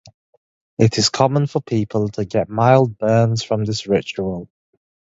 It is common for people to get mild burns from this ritual.